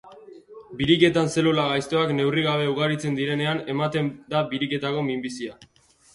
Biriketan zelula gaiztoak neurrigabe ugaritzen direnean ematen da biriketako minbizia.